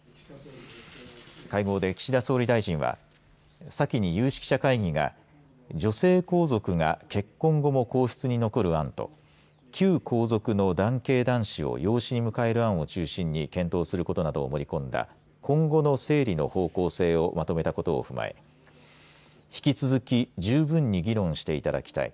会合で岸田総理大臣は先に有識者会議が女性皇族が結婚後も皇室に残る案と旧皇族の男系男子を養子に迎える案を中心に検討することなどを盛り込んだ今後の整理の方向性をまとめたことを踏まえ引き続き十分に議論していただきたい。